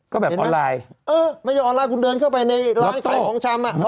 ก็แบบออนไลน์เออไม่ใช่ออนไลน์คุณเดินเข้าไปในร้านขายของชำอ่ะ